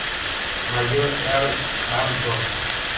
Mayor Earl Van Dorn.